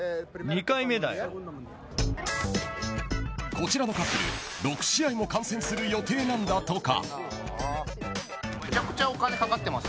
こちらのカップル６試合も観戦する予定なんだとか。